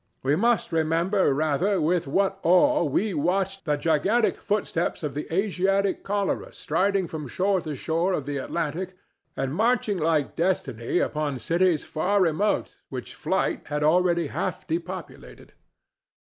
We must remember, rather, with what awe we watched the gigantic footsteps of the Asiatic cholera striding from shore to shore of the Atlantic and marching like Destiny upon cities far remote which flight had already half depopulated.